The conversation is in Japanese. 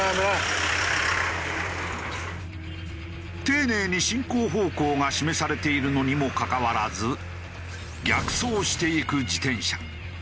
丁寧に進行方向が示されているのにもかかわらず逆走していく自転車。